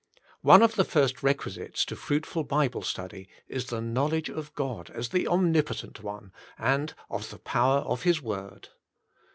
One of the first requisites to fruitful Bible study is the knowledge of God as the Omnipotent One, and of the power of His word.